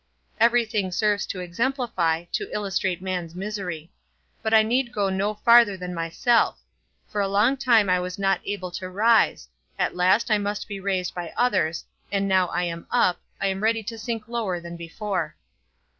Every thing serves to exemplify, to illustrate man's misery. But I need go no farther than myself: for a long time I was not able to rise; at last I must be raised by others; and now I am up, I am ready to sink lower than before.